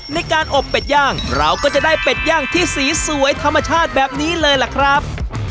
ในการอบเป็ดย่างเราก็จะได้เป็ดย่างที่สีสวยธรรมชาติแบบนี้เลยล่ะครับ